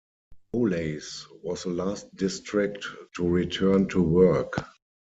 Dowlais was the last district to return to work.